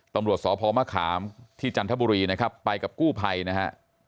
ตำรวจสพมะขามที่จันทบุรีนะครับไปกับกู้ภัยนะฮะ